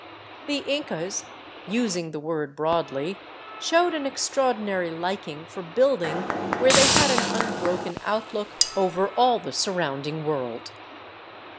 The Incas, using the word broadly, showed an extraordinary liking for building where they had an unbroken outlook over all the sur rounding world.